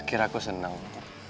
kira aku seneng